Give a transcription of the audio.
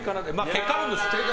結果論です。